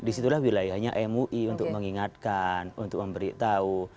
di situlah wilayahnya mui untuk mengingatkan untuk memberitahu